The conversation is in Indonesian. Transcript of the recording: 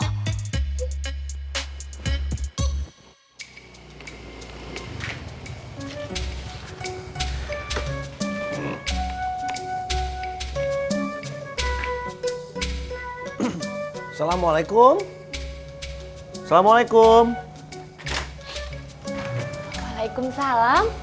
assalamualaikum assalamualaikum waalaikumsalam